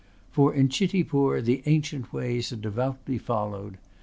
For in Chitipur the ancient ways are devoutly followed.